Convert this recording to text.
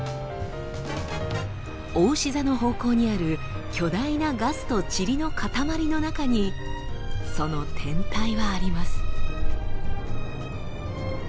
おうし座の方向にある巨大なガスとチリのかたまりの中にその天体はあります。